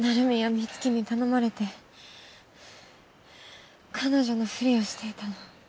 美月に頼まれて彼女のフリをしていたの。